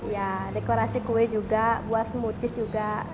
ya dekorasi kue juga buat smoothies juga